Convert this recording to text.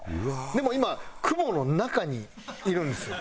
でも今雲の中にいるんですよ。